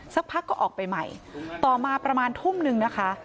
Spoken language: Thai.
สักพักก็ออกไปใหม่ต่อมาประมาณทุ่มนึงนะคะ